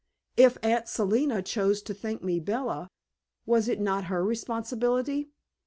If Aunt Selina chose to think me Bella, was it not her responsibility?